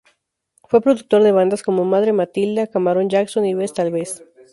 Fue productor de bandas como Madre Matilda, Camarón Jackson y Ves Tal Vez.